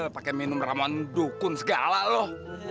pakai minum ramuan dukun segala loh